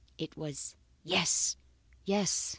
It was Yes! yes!